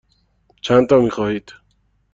چندتا می خواهید؟